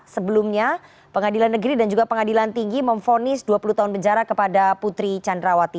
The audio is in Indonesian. sebelumnya pengadilan negeri dan juga pengadilan tinggi memfonis dua puluh tahun penjara kepada putri candrawati